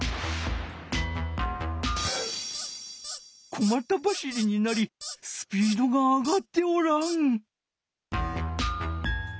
小また走りになりスピードが上がっておらん。